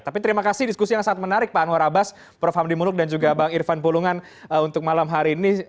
tapi terima kasih diskusi yang sangat menarik pak anwar abbas prof hamdi muluk dan juga bang irfan pulungan untuk malam hari ini